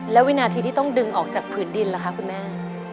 แล้ววินาทีที่ต้องดึงออกจากผืนดินล่ะคะคุณแม่